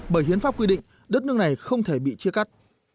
bởi hiến pháp quy định đất nước này không thể bị chia cắt